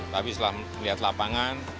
tapi setelah melihat lapangan